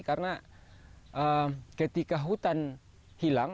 karena ketika hutan hilang